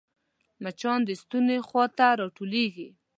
مچان د ستوني خوا ته راټولېږي